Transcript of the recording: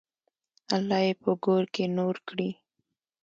الله یې په ګور کې نور کړي.